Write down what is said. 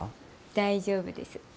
大丈夫です。